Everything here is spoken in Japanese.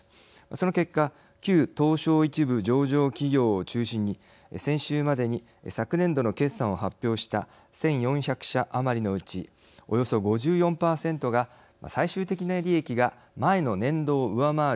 その結果旧東証一部上場企業を中心に先週までに昨年度の決算を発表した１，４００社余りのうちおよそ５４％が最終的な利益が前の年度を上回る増益となりました。